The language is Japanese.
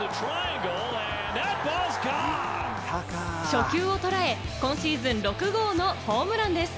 初球をとらえ、今シーズン６号のホームランです。